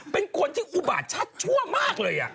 เป็นคนที่อุบาตชัดชั่วมากเลย